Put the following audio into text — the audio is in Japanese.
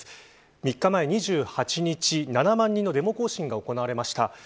３日前、２８日７万人のデモ行進が行われました。